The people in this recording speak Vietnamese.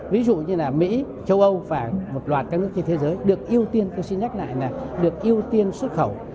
ví dụ như mỹ châu âu và một loạt các nước trên thế giới được ưu tiên xuất khẩu